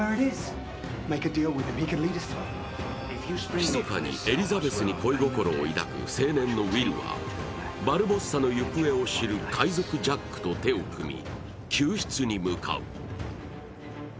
ひそかにエリザベスに恋心を抱く青年のウィルはバルボッサの行方を知る海賊・ジャックと手を組み救出に向かう。